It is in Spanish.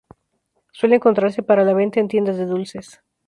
Suele encontrarse para la venta en tiendas de dulces.